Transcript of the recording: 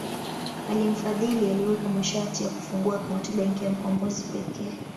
Aliyemfadhili aliweka masharti ya kufungua akaunti Benki ya Mkombozi pekee